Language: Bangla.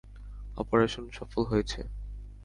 অপারেশন সফল হয়েছে।